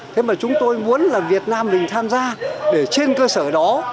thế mà chúng tôi muốn là việt nam mình tham gia để trên cơ sở đó